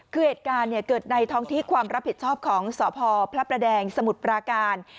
กริจการเกิดในท้องที่ความรับผิดชอบของสพพระแดงสมุทรปราการ